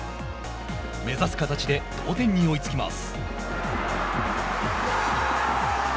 目指す形で同点に追いつきます。